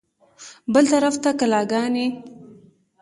بل طرف ته کلاګانې.